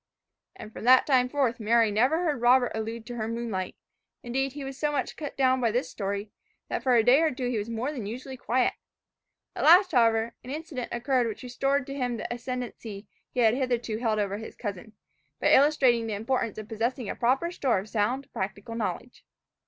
And from that time forth Mary never heard Robert allude to her moonlight; indeed he was so much cut down by this story, that for a day or two he was more than usually quiet. At last, however, an incident occurred which restored to him the ascendancy he had hitherto held over his cousin, by illustrating the importance of possessing a proper store of sound, practical knowledge.